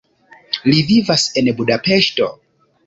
Li vivas en Budapeŝto.